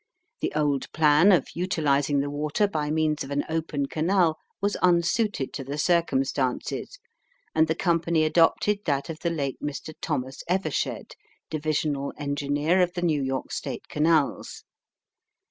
The old plan of utilising the water by means of an open canal was unsuited to the circumstances, and the company adopted that of the late Mr. Thomas Evershed, divisional engineer of the New York State Canals.